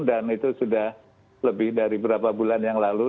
dan itu sudah lebih dari berapa bulan yang lalu